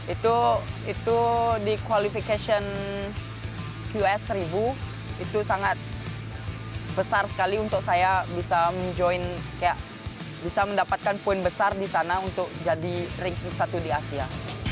itu di qualification qs seribu itu sangat besar sekali untuk saya bisa mendapatkan poin besar di sana untuk jadi ring satu di asia